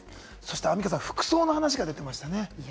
アンミカさん、服装の話が出てましたね。